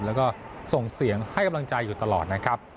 แล้วก็ส่งเสียงให้กำลังใจอยู่ตลอดนะครับ